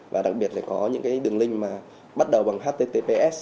và đặc biệt là có những đường link bắt đầu bằng http